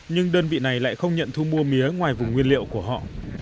nhưng đơn vị này lại không nhận thu mua mía ngoài vùng nguyên liệu của họ